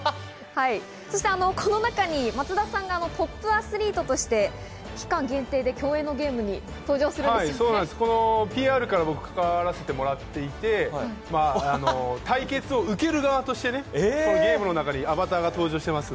そして松田さんがトップアスリートとしてこの中に期間限定で競泳ＰＲからかかわらせていただいていて、対決を受ける側としてこのゲームの中でアバターが登場しています。